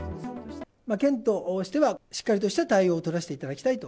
県としてはしっかりとした対応を取らせていただきたいと。